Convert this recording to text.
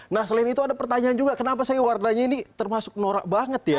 nah selain itu ada pertanyaan juga kenapa saya warnanya ini termasuk norak banget ya